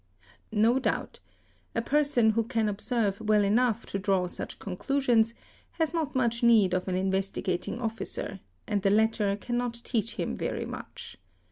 ~ No doubt, a person who can observe well enough to draw such con clusions has not much need of an Investigating Officer and the latter cannot teach him very much.